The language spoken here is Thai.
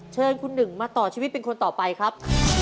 เชิญคุณหนึ่งมาต่อชีวิตเป็นคนต่อไปครับ